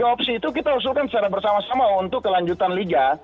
tiga opsi itu kita usulkan secara bersama sama untuk kelanjutan liga